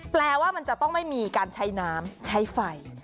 แปลว่ามันจะต้องไม่มีการใช้น้ำใช้ไฟ